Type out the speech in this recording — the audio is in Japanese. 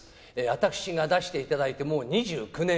私が出していただいてもう２９年。